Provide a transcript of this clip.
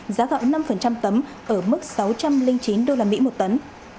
giá gạo năm tấm ở mức sáu trăm linh chín đô la mỹ một tấn